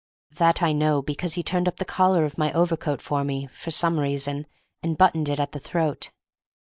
That I know because he turned up the collar of my overcoat for me, for some reason, and buttoned it at the throat.